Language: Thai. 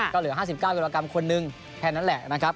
ก็เหลือ๕๙กิโลกรัมคนนึงแค่นั้นแหละนะครับ